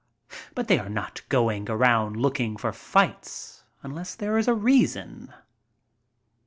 But they are not going around looking for fights unless there is a reason.